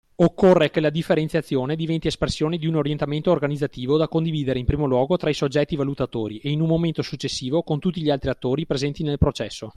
Occorre che la differenziazione diventi espressione di un orientamento organizzativo da condividere, in primo luogo, tra i soggetti valutatori e, in un momento successivo, con tutti gli altri attori presenti nel processo.